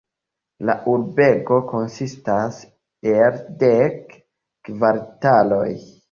La urbego konsistas el dek kvartaloj.